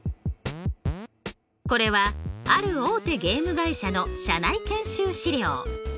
これはある大手ゲーム会社の社内研修資料。